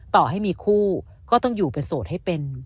ต่อให้มีคู่ก็ต้องอยู่เป็นโสดให้เป็น